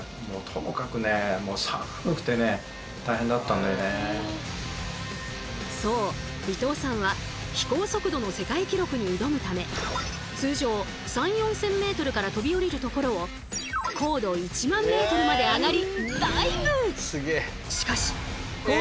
この時はねそう伊藤さんは飛行速度の世界記録に挑むため通常３，０００４，０００ｍから飛び降りるところを高度１万ｍまで上がりダイブ！